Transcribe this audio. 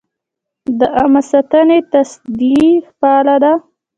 د عامه ساتنې تصدۍ فعال ده؟